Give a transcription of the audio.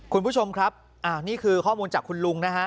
คุณผู้ชมครับนี่คือข้อมูลจากคุณลุงนะฮะ